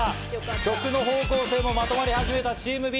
曲の方向性もまとまり始めたチームＢ。